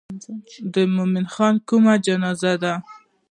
د مومن خان کومه جنازه ده.